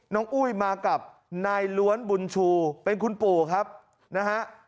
อุ้ยมากับนายล้วนบุญชูเป็นคุณปู่ครับนะฮะ